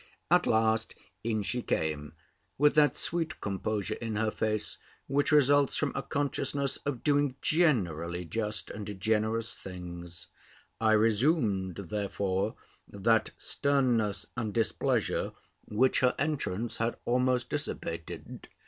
At last, in she came, with that sweet composure in her face which results from a consciousness of doing generally just and generous things. I resumed, therefore, that sternness and displeasure which her entrance had almost dissipated.